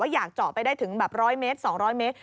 อยากจ้อไปที่บ้าง๑๐๐๒๐๐เมตร